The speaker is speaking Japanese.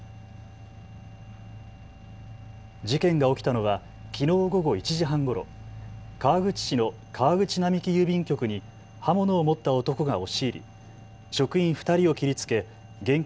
事件が起きたのはきのう午後１時半ごろ、川口市の川口並木郵便局に刃物を持った男が押し入り職員２人を切りつけ現金